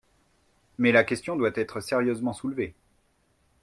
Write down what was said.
Mais la question doit être sérieusement soulevée.